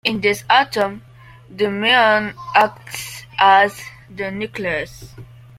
In this atom, the muon acts as the nucleus.